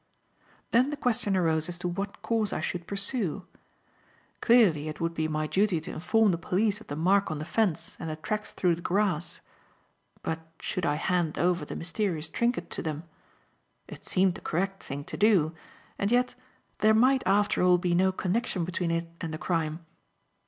Then the question arose as to what course I should pursue. Clearly it would be my duty to inform the police of the mark on the fence and the tracks through the grass. But should I hand over the mysterious trinket to them? It seemed the correct thing to do, and yet there might after all be no connection between it and the crime.